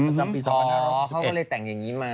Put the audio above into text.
ประจำปี๒๕เขาก็เลยแต่งอย่างนี้มา